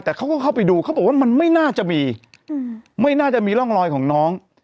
แต่เขาก็เข้าไปดูเขาบอกว่ามันไม่น่าจะมีไม่น่าจะมีร่องรอยของน้อง